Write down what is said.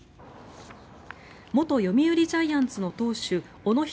元読売ジャイアンツの投手小野仁